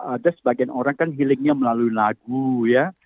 ada sebagian orang kan healingnya melalui lagu ya